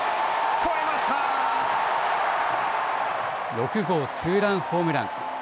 ６号ツーランホームラン。